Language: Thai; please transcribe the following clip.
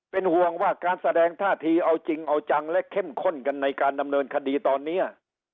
เป็นห่วงว่าการแสดงท่าทีเอาจริงเอาจังและเข้มข้นกันในการดำเนินคดีตอนนี้